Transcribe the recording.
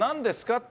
って